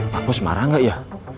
pak bos marah nggak ya